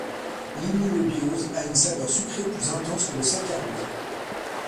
L'inulobiose a une saveur sucrée plus intense que le saccharose.